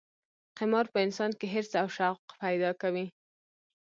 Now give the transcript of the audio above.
قمار په انسان کې حرص او شوق پیدا کوي.